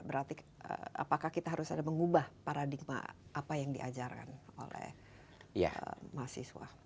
berarti apakah kita harus ada mengubah paradigma apa yang diajarkan oleh mahasiswa